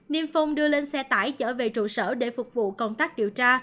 niềm phùng đưa lên xe tải chở về trụ sở để phục vụ công tác điều tra